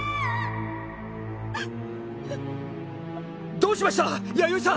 どうしました弥生さん！？